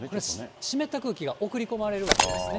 湿った空気が送りこまれるわけですね。